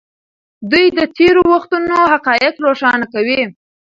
دوی د تېرو وختونو حقایق روښانه کوي.